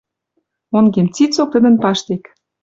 Онгем цицок тӹдӹн паштек